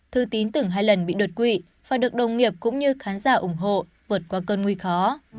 thư tín tưởng hai lần bị đột quỵ phải được đồng nghiệp cũng như khán giả ủng hộ vượt qua cơn nguy khó